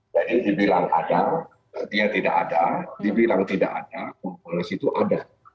jadi dibilang ada dia tidak ada dibilang tidak ada kompolnas itu ada